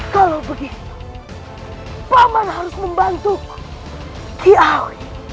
kalau begitu paman harus membantuku